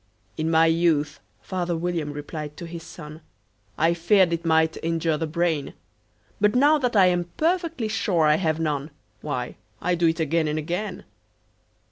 "In my youth," father William replied to his son, "I feared it might injure the brain; But, now that I'm perfectly sure I have none, Why, I do it again and again."